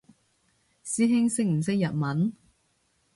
師兄識唔識日文？